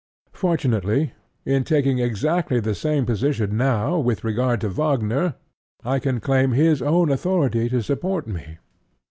Fortunately, in taking exactly the same position now with regard to Wagner, I can claim his own authority to support me.